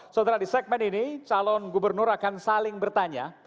setelah di segmen ini calon gubernur akan saling bertanya